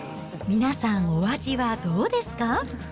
皆さん、お味はどうですか？